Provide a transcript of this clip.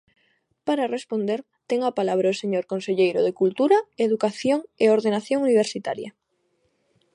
Para responder ten a palabra o señor conselleiro de Cultura, Educación e Ordenación Universitaria.